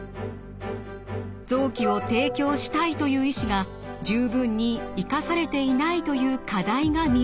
臓器を提供したいという意思が十分に生かされていないという課題が見えてきたのです。